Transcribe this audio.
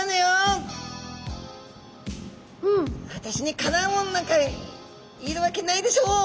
「私にかなう者なんかいるわけないでしょ！」。